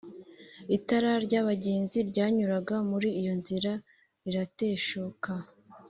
itara ry’abagenzi ryanyuraga muri iyo nzira rirateshuka,